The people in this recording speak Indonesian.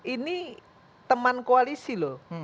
ini teman koalisi loh